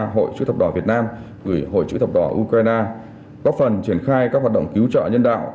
hội chữ thập đỏ việt nam gửi hội chữ thập đỏ ukraine góp phần triển khai các hoạt động cứu trợ nhân đạo